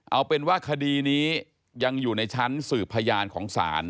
เอาเป็นว่าคดีนี้ยังอยู่ในชั้นสืบพยานของศาล